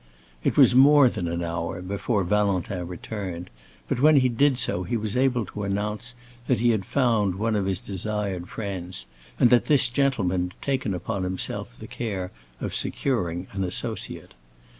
It was more than an hour before Valentin returned, but when he did so he was able to announce that he had found one of his desired friends, and that this gentleman had taken upon himself the care of securing an associate.